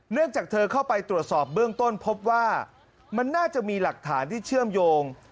จากเธอเข้าไปตรวจสอบเบื้องต้นพบว่ามันน่าจะมีหลักฐานที่เชื่อมโยง